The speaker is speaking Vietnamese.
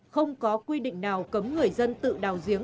không có quy định nào cấm người dân tự đào giếng